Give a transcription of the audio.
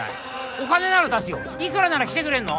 お金なら出すよいくらなら来てくれんの？